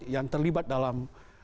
yang terlibat dalam